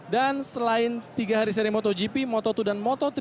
dan selain tiga hari seri motogp moto dua dan moto tiga